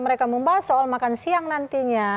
mereka membahas soal makan siang nantinya